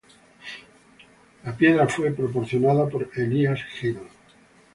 La piedra fue proporcionada por Elias Hill.